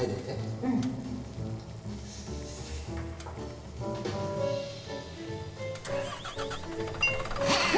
うん。あれ？